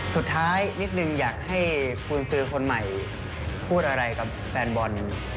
สุดท้ายนิดนึงอยากให้คุณซื้อคนใหม่พูดอะไรกับแฟนบอล